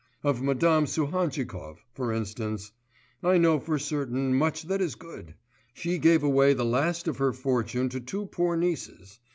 Of Madame Suhantchikov, for instance, I know for certain much that is good; she gave away the last of her fortune to two poor nieces.